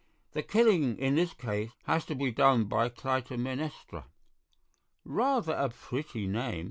The killing in this case has to be done by Clytemnestra." "Rather a pretty name.